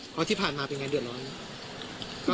เพราะที่ผ่านมาเป็นไงเดือดร้อน